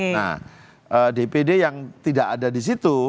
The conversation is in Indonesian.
nah dpd yang tidak ada di situ